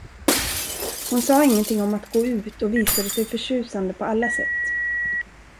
Hon sade ingenting om att gå ut och visade sig förtjusande på alla sätt.